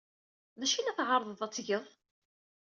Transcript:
D acu ay la tɛerrḍeḍ ad t-tgeḍ?